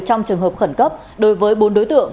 trong trường hợp khẩn cấp đối với bốn đối tượng